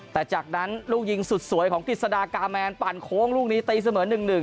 แต่จากนั้นลูกยิงสุดสวยของกฤษฎากาแมนปั่นโค้งลูกนี้ตีเสมอ๑๑